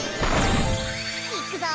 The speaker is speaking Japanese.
いくぞ！